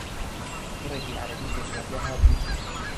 کوڕێکی عەرەبی پێشمەرگە هات گوتی: